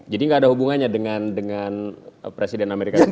jadi gak ada hubungannya dengan presiden amerika sekarang